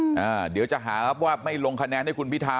เดี๋ยวจะหาครับว่าไม่ลงคะแนนให้คุณพิทา